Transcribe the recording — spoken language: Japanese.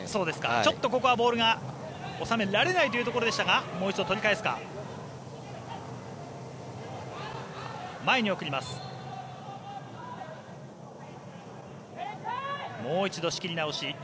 ちょっとここはボールが収められないというところでしたがもう一度取り返すか。